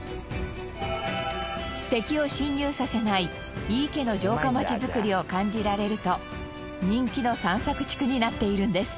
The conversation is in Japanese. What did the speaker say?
敵を侵入させない井伊家の城下町づくりを感じられると人気の散策地区になっているんです。